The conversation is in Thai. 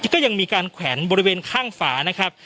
ก็ยังมีการแขวนบริเวณข้างฝานะครับ